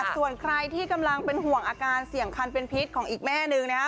ส่วนใครที่กำลังเป็นห่วงอาการเสี่ยงคันเป็นพิษของอีกแม่หนึ่งนะฮะ